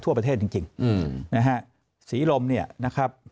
ทั่วประเทศจริงจริงน่ะฮะฉีอิลมเนี่ยนะครับ